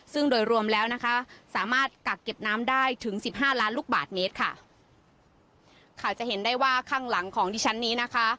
ซึ่งโดยรวมแล้วนะคะสามารถกักเก็บน้ำได้ถึงสิบห้าล้านลูกบาทเมตรค่ะค่ะจะเห็นได้ว่าข้างหลังของดิฉันนี้นะคะ